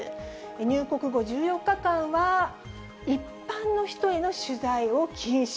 入国後、１４日間は一般の人への取材を禁止。